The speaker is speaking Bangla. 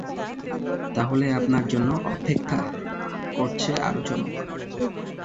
তাহলে আপনার জন্য অপেক্ষা করছে আরো চমক!